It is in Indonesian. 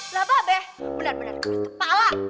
lah babe bener bener keras kepala